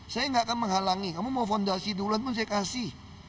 saya nggak akan menghalangi kamu mau fondasi duluan pun saya kasih